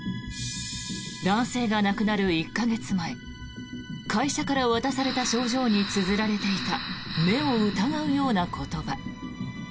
男性がなくなる１か月前会社から渡された賞状につづられていた目を疑うような言葉。